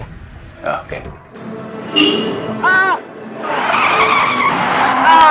ren enggak bisa